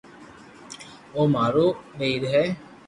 او مارو ٻئير ھي